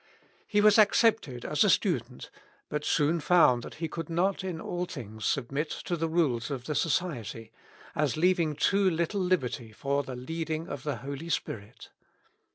He was accepted as a student, but soon found that he could not in all things submit to the rules of the Society, as leaving too little liberty for the leading of the Holy Spirit.